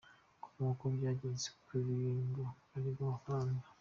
com uko byagenze kugira ngo aribwe amafaranga.